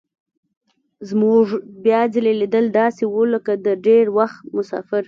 زموږ بیا ځلي لیدل داسې وو لکه د ډېر وخت مسافر.